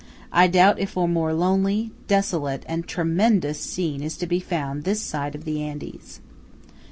I doubt if a more lonely, desolate, and tremendous scene is to be found this side of the Andes.